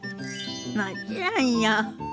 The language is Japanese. もちろんよ。